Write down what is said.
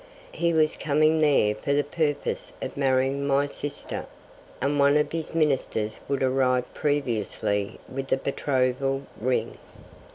He was coming there for the purpose of marrying my sister, and one of his ministers would arrive previously with the betrothal ring.